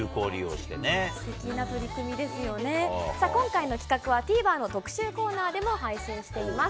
今回の企画はＴＶｅｒの特集コーナーでも配信しています。